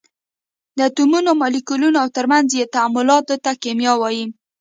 د اتومونو، مالیکولونو او تر منځ یې تعاملاتو ته کېمیا وایي.